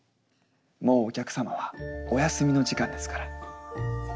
もうお客様はおやすみの時間ですから。